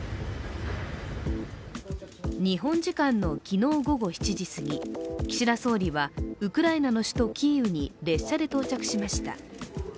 日本時間の昨日午後７時すぎ岸田総理はウクライナの首都キーウに列車で到着しました。